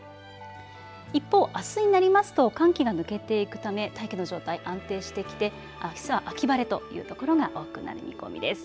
一方あすになりますと寒気が抜けていくため大気の状態安定してきてあすは秋晴れというところが多くなる見込みです。